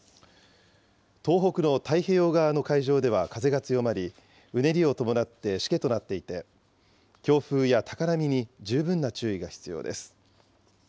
東北の太平洋側の海上では風が強まり、うねりを伴ってしけとなっていて、強風や高波に十分な注意が必要です。